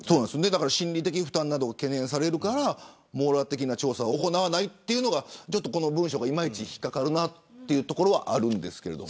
心理的負担などが懸念されるから網羅的な調査を行わないというのが文章がいまいち引っ掛かるなというところはあります。